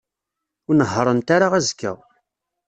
Ur nehhṛent ara azekka.